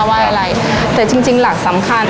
ไหว้อะไรแต่จริงจริงหลักสำคัญ